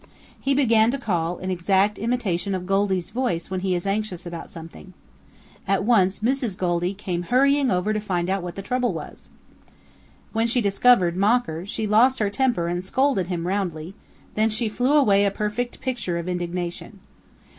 He began to call in exact imitation of Goldy's voice when he is anxious about something. At once Mrs. Goldy came hurrying over to find out what the trouble was. When she discovered Mocker she lost her temper and scolded him roundly; then she flew away a perfect picture of indignation.